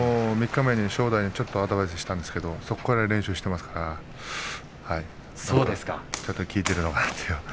３日前に正代にちょっとアドバイスをしたんですが、そこから連勝をしていますからちょっと効いているのかな